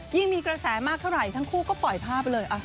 มีกระแสมากเท่าไหร่ทั้งคู่ก็ปล่อยภาพไปเลย